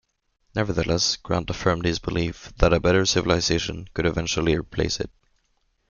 Nevertheless, Grant affirmed his belief that a better civilization could eventually replace it.